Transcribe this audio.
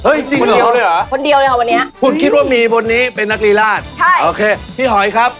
เฮ้ยจริงเหรอคนเดียวเลยเหรอวันนี้คุณคิดว่ามีบนนี้เป็นนักรีราชพี่หอยครับ